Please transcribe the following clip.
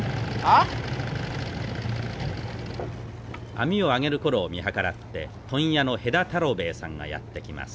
網を上げる頃を見計らって問屋の辺田太郎兵衛さんがやって来ます。